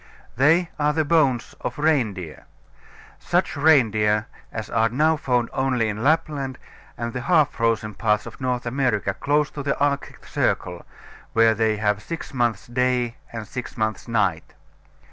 They are the bones of reindeer such reindeer as are now found only in Lapland and the half frozen parts of North America, close to the Arctic circle, where they have six months day and six months night.